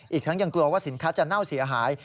อีกทั้งยังกลัวว่าสินค้าจะเน่าเสียหาย